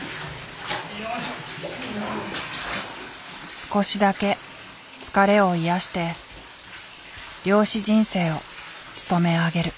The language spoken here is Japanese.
少しだけ疲れを癒やして漁師人生をつとめ上げる。